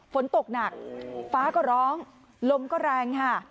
ฝนตกหนักฟ้าก็ร้องลมก็แรงค่ะ